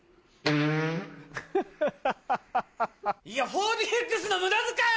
４ＤＸの無駄遣い！